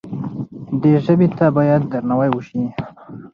دې ژبې ته باید درناوی وشي.